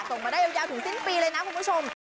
ส่งมาได้ยาวถึงสิ้นปีเลยนะคุณผู้ชม